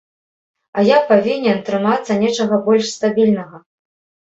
А я павінен трымацца нечага больш стабільнага.